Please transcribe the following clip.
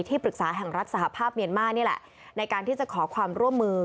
ปรึกษาแห่งรัฐสหภาพเมียนมาร์นี่แหละในการที่จะขอความร่วมมือ